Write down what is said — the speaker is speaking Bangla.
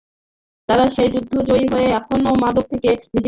তাঁরা সেই যুদ্ধে জয়ী হয়ে এখনো মাদক থেকে নিজেকে দূরে রেখেছেন।